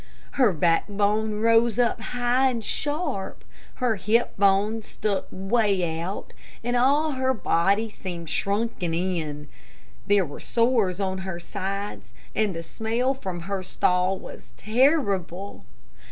Her backbone rose up high and sharp, her hip bones stuck away out, and all her body seemed shrunken in. There were sores on her sides, and the smell from her stall was terrible.